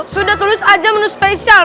sudah tulis aja menu spesial